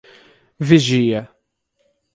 Vigia